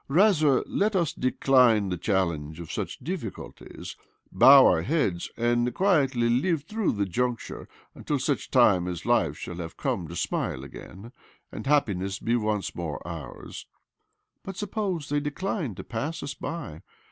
Rather, let us decline the challenge of such difficulties, bow our heads, and quietly live through the juncture until such time as life shall have come to smile again, and happiness be once more ours." " But suppose they decline to pass us by?